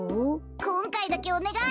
こんかいだけおねがい！